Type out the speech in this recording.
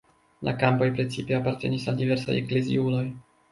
La kampoj precipe apartenis al diversaj ekleziuloj.